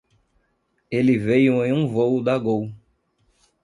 Ele veio em um voo da Gol.